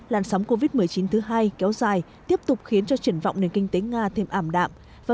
làn sóng covid một mươi chín thứ hai kéo dài tiếp tục khiến cho triển vọng nền kinh tế nga thêm ảm đạm và